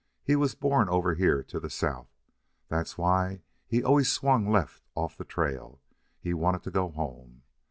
He was born over here to the south. That's why he always swung left off the trail. He wanted to go home.